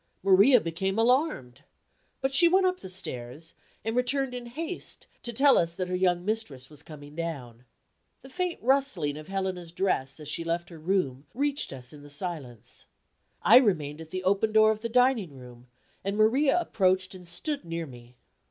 Maria became alarmed. But she went up the stairs, and returned in haste to tell us that her young mistress was coming down. The faint rustling of Helena's dress as she left her room reached us in the silence. I remained at the open door of the dining room, and Maria approached and stood near me.